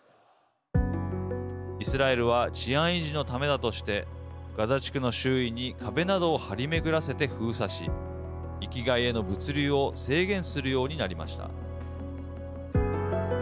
イスラエルは治安維持のためだとしてガザ地区の周囲に壁などを張り巡らせて封鎖し域外への物流を制限するようになりました。